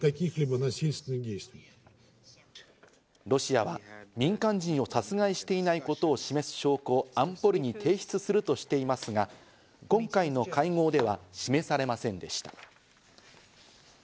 ロシアは、民間人を殺害していないことを示す証拠を安保理に提出するとしていますが、今回の会合では示されませんでした。